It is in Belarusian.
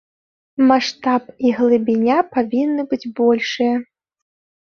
Маштаб і глыбіня павінны быць большыя.